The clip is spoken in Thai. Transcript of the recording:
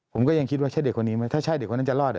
ผมก็ยังคิดว่าใช่เด็กคนนี้ไหมถ้าใช่เด็กคนนั้นจะรอด